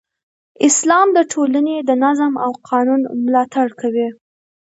اسلام د ټولنې د نظم او قانون ملاتړ کوي.